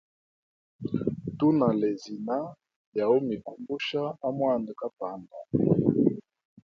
Tunalezina lya umikumbusha a mwanda kapanda.